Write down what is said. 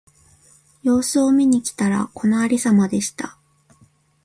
様子を見に来たら、このありさまでした。